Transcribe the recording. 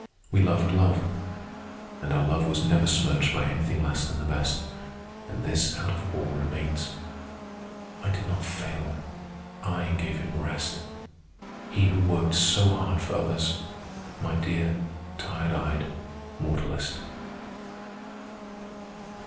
We loved love, and our love was never smirched by anything less than the best. And this out of all remains: I did not fail. I gave him rest—he who worked so hard for others, my dear, tired eyed mortalist.